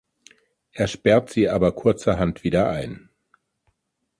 Er sperrt sie aber kurzerhand wieder ein.